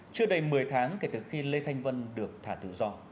chưa đầy một mươi tháng kể từ khi lê thanh vân được thả tự do